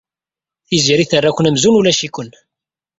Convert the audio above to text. Tiziri terra-ken amzun ulac-iken.